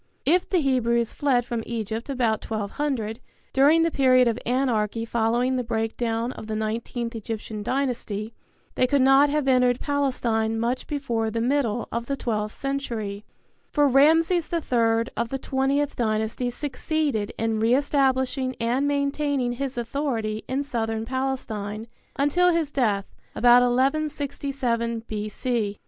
If the Hebrews fled from Egypt about 1200, during the period of anarchy following the breakdown of the nineteenth Egyptian dynasty, they could not have entered Palestine much before the middle of the twelfth century, for Ramses III of the Twentieth Dynasty succeeded in re establishing and maintaining his authority in Southern Palestine until his death about 1167 B.C.